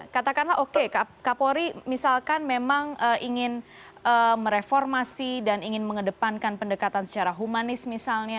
katakanlah oke kapolri misalkan memang ingin mereformasi dan ingin mengedepankan pendekatan secara humanis misalnya